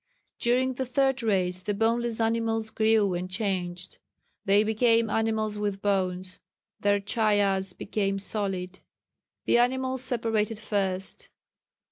"During the Third Race the boneless animals grew and changed, they became animals with bones, their chayas became solid. "The animals separated first.